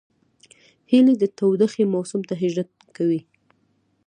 هیلۍ د تودوخې موسم ته هجرت کوي